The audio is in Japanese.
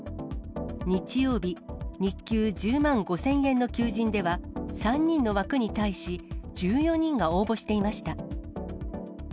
日曜日、日給１０万５０００円の求人では、３人の枠に対し、１４人が応募していました。